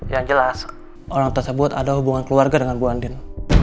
yang jelas orang tersebut ada hubungan keluarga dengan bu andin